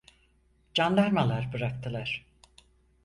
Candarmalar bıraktılar.